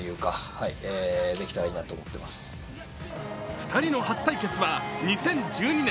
２人の初対決は２０１２年。